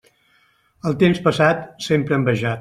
El temps passat, sempre envejat.